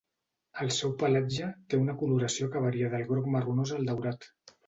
El seu pelatge té una coloració que varia del groc marronós al daurat.